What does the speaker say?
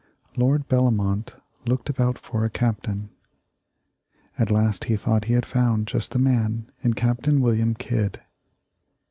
Lord Bellomont looked about for a good captain. At last he thought he had found just the man in Captain William Kidd.